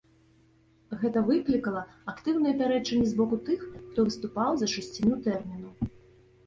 Гэта выклікала актыўныя пярэчанні з боку тых, хто выступаў за чысціню тэрміну.